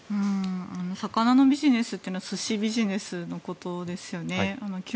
魚のビジネスというのは寿司ビジネスのことですよね。